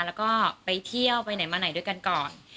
แล้วก็ไปเที่ยวไปไหนมาไหนด้วยกันก่อน